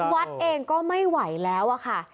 วัดเองก็ไม่ไหวแล้วอะค่ะ